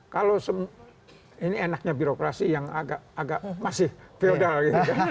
kalau ini enaknya birokrasi yang agak masih feodal gitu kan